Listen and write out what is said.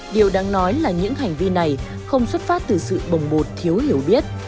điều đáng nói là những hành vi này không xuất phát từ sự bồng bột thiếu hiểu biết